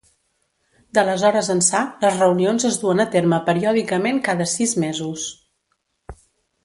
D'aleshores ençà, les reunions es duen a terme periòdicament cada sis mesos.